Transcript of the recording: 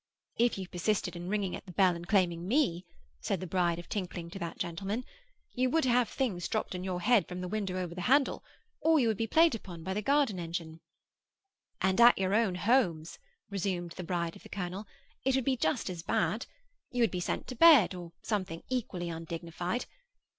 'If you persisted in ringing at the bell and claiming me,' said the bride of Tinkling to that gentleman, 'you would have things dropped on your head from the window over the handle, or you would be played upon by the garden engine.' 'And at your own homes,' resumed the bride of the colonel, 'it would be just as bad. You would be sent to bed, or something equally undignified.